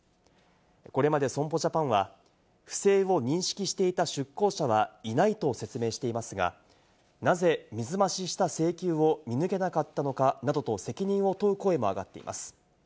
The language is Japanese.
これまで損保ジャパンは、不正を認識していた出向者はいないと説明していますが、なぜ水増しした請求を見抜けなかったのかなどと責任を問う声も上がっています。